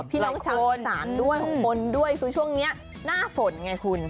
พี่น้องชาวอีสานด้วยของคนด้วยคือช่วงนี้หน้าฝนไงคุณ